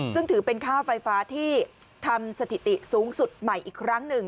ซึ่งถือเป็นค่าไฟฟ้าที่ทำสถิติสูงสุดใหม่อีกครั้งหนึ่ง